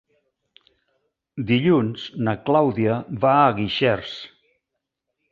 Dilluns na Clàudia va a Guixers.